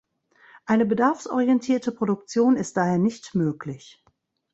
Eine bedarfsorientierte Produktion ist daher nicht möglich.